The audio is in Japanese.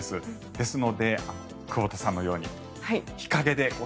ですので、久保田さんのように日陰で。